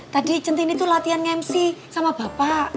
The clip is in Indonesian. tadi centi ini tuh latihan nge mc sama bapak